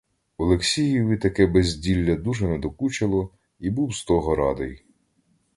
Олексієві таке безділля дуже надокучило, і був з того радий.